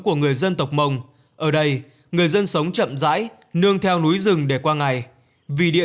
của người dân tộc mông ở đây người dân sống chậm rãi nương theo núi rừng để qua ngày vì địa